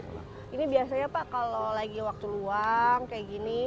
pak ini biasanya pak kalau lagi waktu luang kayak gini